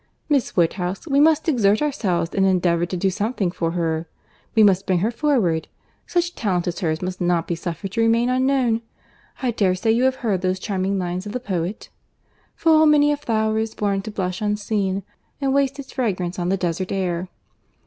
—Miss Woodhouse, we must exert ourselves and endeavour to do something for her. We must bring her forward. Such talent as hers must not be suffered to remain unknown.—I dare say you have heard those charming lines of the poet, 'Full many a flower is born to blush unseen, 'And waste its fragrance on the desert air.